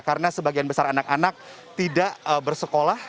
karena sebagian besar anak anak tidak bersekolah